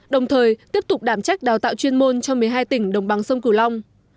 đồng thời tiếp tục đảm trách đào tạo chuyên môn cho một mươi hai tỉnh đồng bằng sông cửu long